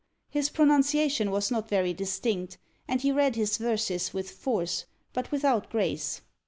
His pronunciation was not very distinct: and he read his verses with force, but without grace.